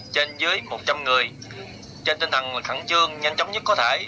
trên dưới một trăm linh người trên tinh thần khẩn trương nhanh chóng nhất có thể